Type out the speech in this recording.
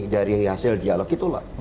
dari hasil dialog itulah